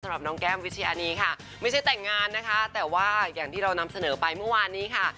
น้องแก้มวิชอานีค่ะไม่ใช่แต่งงานนะคะแต่ว่าอย่างที่เรานำเสนอไปเมื่อวานนี้ค่ะ